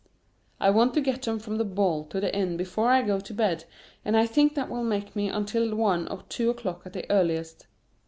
I want to get them from the ball to the inn before I go to bed; and I think that will take me until one or two o'clock at the earliest.